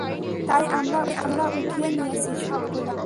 তাই আমরা উঠিয়ে নিয়েছি, সবগুলা।